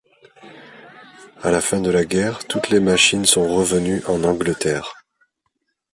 À la fin de la guerre, toutes les machines sont revenues en Angleterre.